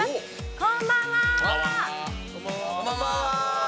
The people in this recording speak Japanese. こんばんは。